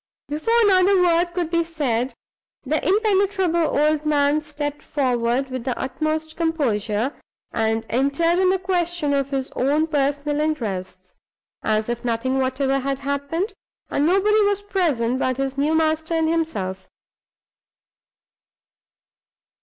Before another word could be said, the impenetrable old man stepped forward, with the utmost composure, and entered on the question of his own personal interests, as if nothing whatever had happened, and nobody was present but his new master and himself.